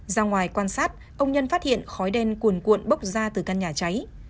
ra ngoài quan sát ông nhân phát hiện khói đen cuồn cuộn bốc ra từ căn nhà cháy